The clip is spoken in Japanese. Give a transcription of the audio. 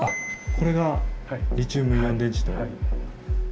これがリチウムイオン電池と。